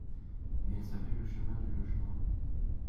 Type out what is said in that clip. Mais elle savait le chemin du logement.